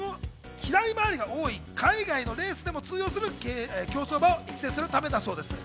左回りが多い、海外のレースでも通用する競走馬を育成するためだそうです。